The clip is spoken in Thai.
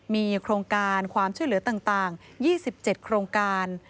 มีโครงการความช่วยเหลือต่าง๒๗โครงการ